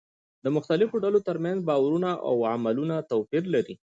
د مختلفو ډلو ترمنځ باورونه او عملونه توپير لري.